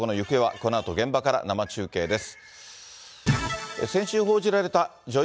このあと現場から生中継です。